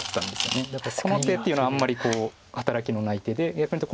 だからこの手っていうのはあんまり働きのない手で。